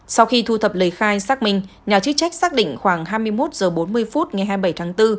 sau khi thu thập lời khai xác minh nhà chức trách xác định khoảng hai mươi một h bốn mươi phút ngày hai mươi bảy tháng bốn